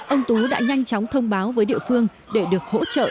ông tú đã nhanh chóng thông báo với địa phương để được hỗ trợ